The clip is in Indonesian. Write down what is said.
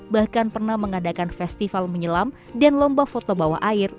bahkan pernah mengadakan festival menyelam dan lomba foto bawah air